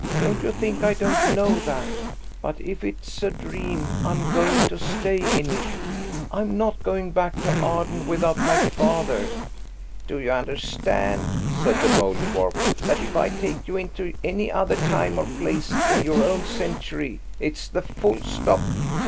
"Don't you think I don't know that. But if it's a dream, I'm going to stay in it. I'm not going back to Arden without my father." "Do you understand," said the Mouldiwarp, "that if I take you into any other time or place in your own century, it's the full stop?